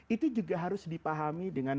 itu juga harus dipahami dengan